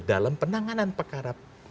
dalam penanganan pekarab